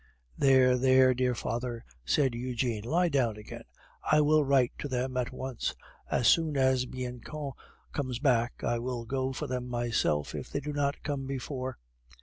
"There, there, dear father," said Eugene, "lie down again; I will write to them at once. As soon as Bianchon comes back I will go for them myself, if they do not come before."